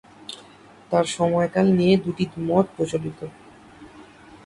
তার সময়কাল নিয়ে দুটি মত প্রচলিত।